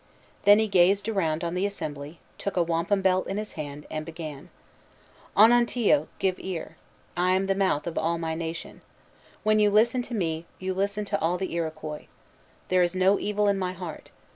Then he gazed around on the assembly, took a wampum belt in his hand, and began: "Onontio, give ear. I am the mouth of all my nation. When you listen to me, you listen to all the Iroquois. There is no evil in my heart.